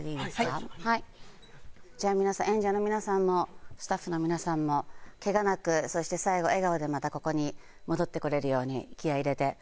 じゃあ皆さん演者の皆さんもスタッフの皆さんもケガなくそして最後笑顔でまたここに戻ってこれるように気合入れていくぞー！